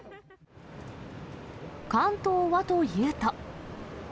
関東はというと。